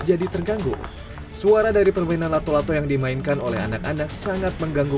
jadi terganggu suara dari permainan lato lato yang dimainkan oleh anak anak sangat mengganggu